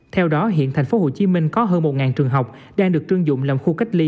theo đó hiện tp hcm có hơn một trường học đang được trương dụng làm khu cách ly